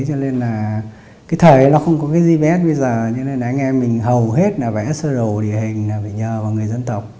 cái thời nó không có cái gì bét bây giờ cho nên là anh em mình hầu hết là vẽ sơ đồ địa hình là phải nhờ vào người dân tộc